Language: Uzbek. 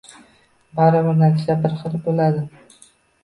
Baribir natija bir xil boʻladi